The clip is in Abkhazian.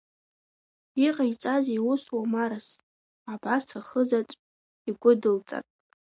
Иҟеиҵазеи ус уамарас, абас ахызаҵә игәыдылҵартә?